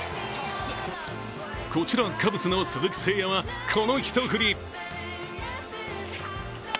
こちら、カブスの鈴木誠也はこの一振り。